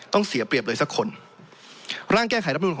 ต้องเสียเปรียบเลยสักคน